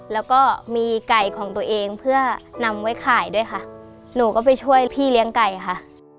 แล้วก็มีไก่ของตัวเองเพื่อนำไว้ขายด้วยค่ะหนูก็ไปช่วยพี่เลี้ยงไก่ค่ะ